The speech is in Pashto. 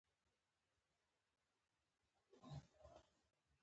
ورته ووایه چې دا غریب نور مه وهئ.